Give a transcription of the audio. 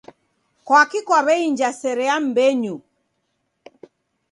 Kwaki kwaw'einja sere ya mbenyu?